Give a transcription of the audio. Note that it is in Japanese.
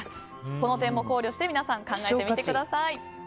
この点も考慮して皆さん、考えてみてください。